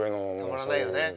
たまらないよね。